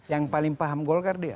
yang paling paham golkar dia